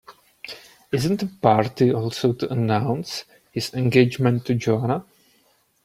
Isn't the party also to announce his engagement to Joanna?